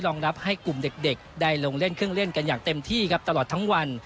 รับให้กลุ่มเด็กได้ลงเล่นเครื่องเล่นกันอย่างเต็มที่ครับตลอดทั้งวัน